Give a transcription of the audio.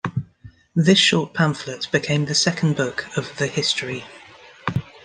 This short pamphlet became the second book of the "History".